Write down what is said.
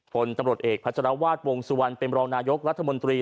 ผลตำรวจเอกพัชรวาสวงสุวรรณเป็นรองนายกรัฐมนตรี